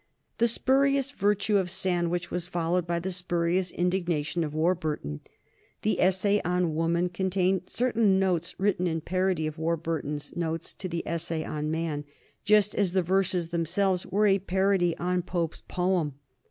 The spurious virtue of Sandwich was followed by the spurious indignation of Warburton. The "Essay on Woman" contained certain notes written in parody of Warburton's notes to the "Essay on Man," just as the verses themselves were a parody on Pope's poem.